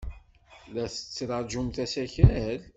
La tettṛajumt asakal?